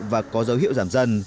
và có dấu hiệu giảm dần